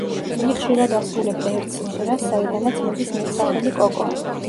იგი ხშირად ასრულებდა ერთ სიმღერას, საიდანაც მოდის მეტსახელი „კოკო“.